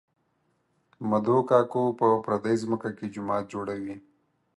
مدو کاکو په پردۍ ځمکه کې جومات جوړوي